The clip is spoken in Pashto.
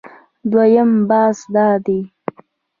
دویم بحث دا دی